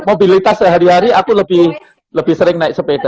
mobilitas sehari hari aku lebih sering naik sepeda